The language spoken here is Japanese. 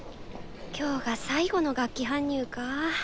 今日が最後の楽器搬入か。